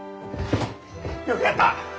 よくやった！